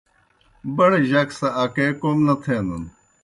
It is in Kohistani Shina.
بَڑہ جَک سہ اکے کوْم نہ تھینَن۔